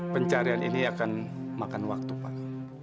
pencarian ini akan makan waktu pak